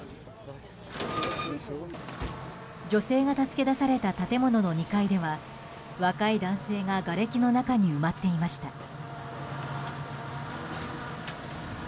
女性が助け出された建物の２階では若い男性ががれきの中に埋まっていました。